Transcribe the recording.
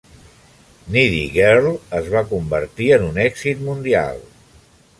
"Needy Girl" es va convertir en un èxit mundial.